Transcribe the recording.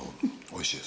おいしい。